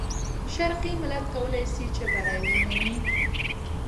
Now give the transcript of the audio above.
شرقي ملت کولای سي چې بری ومومي.